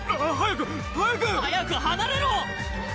早く！早く！早く離れろ！